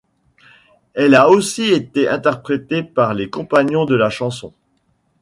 Elle a aussi été interprétée par les Compagnons de la chanson.